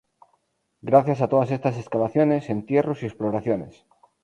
Gracias a todas estas excavaciones, entierros y exploraciones.